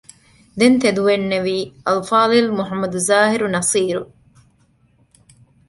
ދެން ތެދުވެންނެވީ އަލްފާޟިލް މުޙައްމަދު ޒާހިރު ނަޞީރު